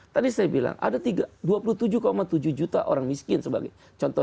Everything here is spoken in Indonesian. tadi saya bilang ada dua puluh tujuh tujuh juta orang miskin sebagai contoh